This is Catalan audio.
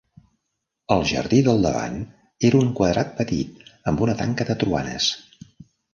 El jardí del davant era un quadrat petit amb una tanca de troanes.